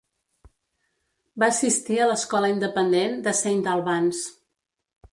Va assistir a l'Escola Independent de Saint Albans.